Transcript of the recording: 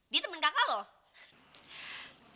dia temen kakak loh